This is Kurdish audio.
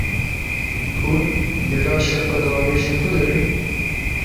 Hûn gelaşa xwe diavêjin ku derê?